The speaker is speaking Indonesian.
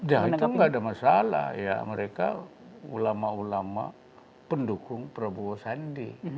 ya itu nggak ada masalah ya mereka ulama ulama pendukung prabowo sandi